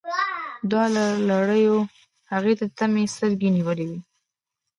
دواړو لړیو هغې ته د طمعې سترګې نیولي وې.